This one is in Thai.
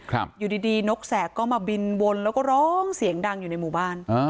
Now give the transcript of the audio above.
อยู่ดีดีนกแสกก็มาบินวนแล้วก็ร้องเสียงดังอยู่ในหมู่บ้านอ่า